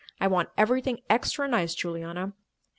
I want everything extra nice, Juliana."